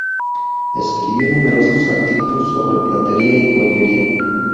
Escribió numerosos artículos sobre platería y joyería.